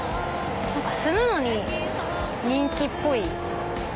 何か住むのに人気っぽい。